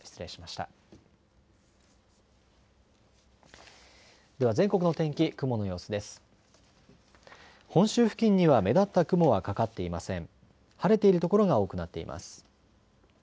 晴れている所が多くなっています。